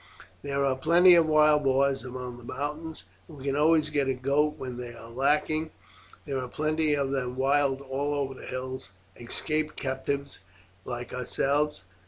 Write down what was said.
"There are plenty of wild boars among the mountains, and we can always get a goat when they are lacking. There are plenty of them wild all over the hills, escaped captives like ourselves.